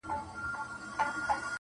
څوك به ليكي دېوانونه د غزلو!.